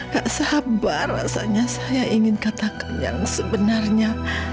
gak sabar rasanya saya ingin katakan yang sebenarnya